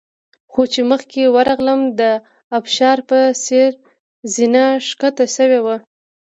خو چې مخکې ورغلم د ابشار په څېر زینه ښکته شوې وه.